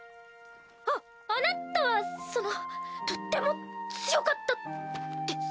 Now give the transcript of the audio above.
ああなたはそのとっても強かったです。